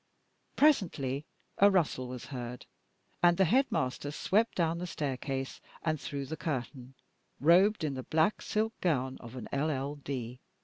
Presently a rustle was heard, and the headmaster swept down the staircase and through the curtain, robed in the black silk gown of an LL.D.